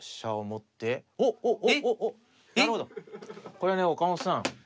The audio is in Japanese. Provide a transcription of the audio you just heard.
これね岡本さん